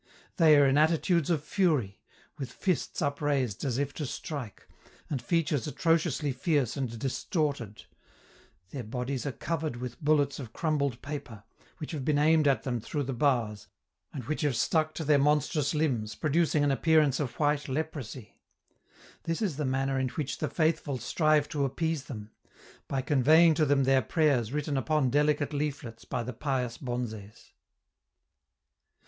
They are in attitudes of fury, with fists upraised as if to strike, and features atrociously fierce and distorted. Their bodies are covered with bullets of crumbled paper, which have been aimed at them through the bars, and which have stuck to their monstrous limbs, producing an appearance of white leprosy: this is the manner in which the faithful strive to appease them, by conveying to them their prayers written upon delicate leaflets by the pious bonzes.